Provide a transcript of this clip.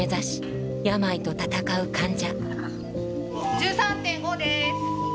１３．５です。